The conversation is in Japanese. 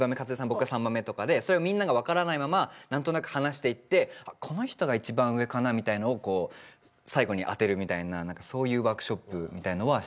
僕が３番目とかでそれをみんなが分からないまま何となく話していってこの人が一番上かなみたいなのを最後に当てるみたいなそういうワークショップみたいなのは。